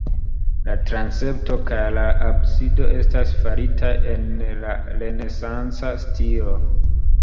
La transepto kaj la absido estas faritaj en la renesanca stilo.